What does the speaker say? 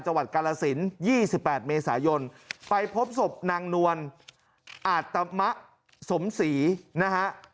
จังหวัดกาลสิน๒๘เมษายนไปพบศพนางนวลอาตมะสมศรีนะฮะ